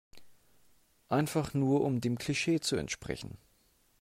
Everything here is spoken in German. Einfach nur um dem Klischee zu entsprechen.